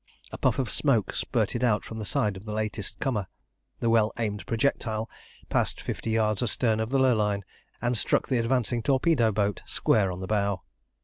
A puff of smoke spurted out from the side of the latest comer. The well aimed projectile passed fifty yards astern of the Lurline, and struck the advancing torpedo boat square on the bow.